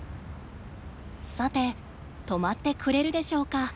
さて止まってくれるでしょうか。